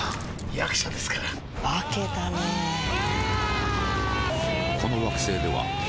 役者ですから化けたねうわーーー！